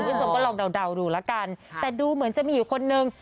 คุณผู้ชมก็ลองเดาดูแล้วกันแต่ดูเหมือนจะมีอยู่คนนึง